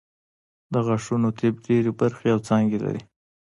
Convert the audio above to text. د غاښونو طب ډېرې برخې او څانګې لري